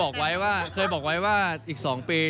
เคยบอกไว้ว่าอีก๒ปี